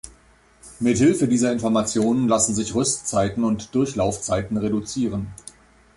Mit Hilfe dieser Informationen lassen sich Rüstzeiten und Durchlaufzeiten reduzieren.